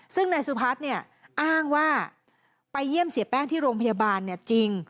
ซึ่งนายสุพัฒน์เนี่ยอ้างว่าไปเยี่ยมเสียแป้งที่โรงพยาบาลจริง